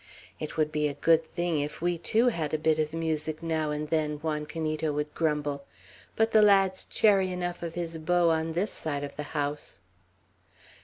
"It would be a good thing if we too had a bit of music now and then," Juan Canito would grumble; "but the lad's chary enough of his bow on this side the house."